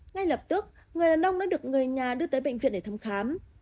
ngay lập tức người đàn ông đã được người nhà đưa tới bệnh viện để thăm khám